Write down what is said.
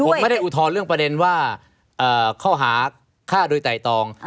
ผมไม่ได้อุทธรณ์เรื่องประเด็นว่าข้อหาฆ่าโดยไตรตอง